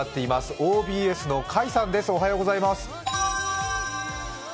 ＯＢＳの甲斐さんです。